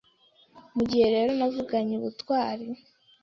Mugihe rero navuganye ubutwari